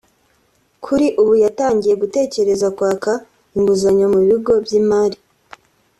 kuri ubu yatangiye gutekereza kwaka inguzanyo mu bigo by’imari